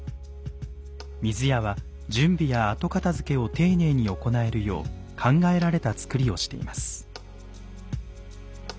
水屋は準備や後片づけを丁寧に行えるよう考えられた造りをしています。